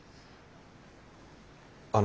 あの。